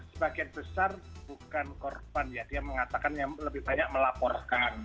sebagian besar bukan korban ya dia mengatakan yang lebih banyak melaporkan